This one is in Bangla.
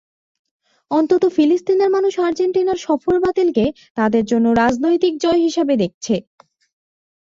অন্তত ফিলিস্তিনের মানুষ আর্জেন্টিনার সফর বাতিলকে তাদের জন্য রাজনৈতিক জয় হিসেবে দেখছে।